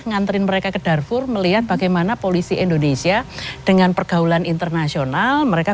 nganterin mereka ke darfur melihat bagaimana polisi indonesia dengan pergaulan internasional mereka